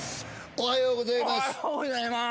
おはようございまーす。